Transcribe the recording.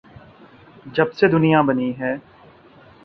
جب سے دنیا بنی ہے۔